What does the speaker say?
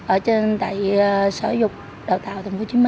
ở trên tại sở dục đào tạo tp hcm